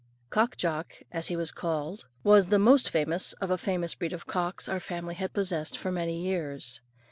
Cock Jock, as he was called, was the most famous of a famous breed of cocks, our family had possessed for many years.